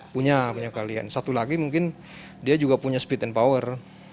punya banyak kalian satu lagi mungkin dia juga punya speed and power